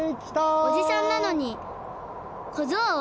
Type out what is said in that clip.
おじさんなのに小僧？